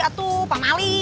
atuh pak mali